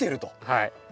はい。